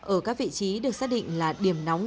ở các vị trí được xác định là điểm nóng